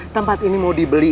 tempat ini mau dibeli